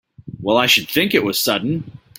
Well I should think it was sudden!